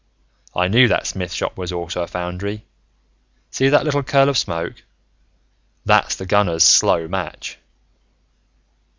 I knew that smith shop was also a foundry. See that little curl of smoke? That's the gunner's slow match.